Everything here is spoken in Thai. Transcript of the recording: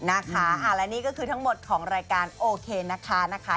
นะคะและนี่ก็คือทั้งหมดของรายการโอเคนะคะ